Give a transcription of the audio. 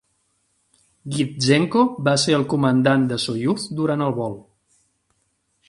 Gidzenko va ser el comandant de Soyuz durant el vol.